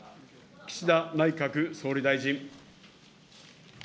岸田内閣総理大臣。